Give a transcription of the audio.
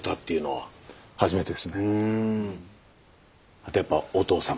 あとやっぱお父様です。